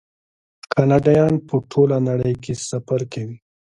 کاناډایان په ټوله نړۍ کې سفر کوي.